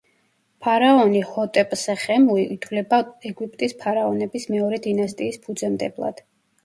ფარაონი ჰოტეპსეხემუი ითვლება ეგვიპტის ფარაონების მეორე დინასტიის ფუძემდებლად.